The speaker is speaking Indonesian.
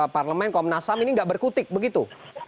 parlemen komnasam ini nggak berkutik begitu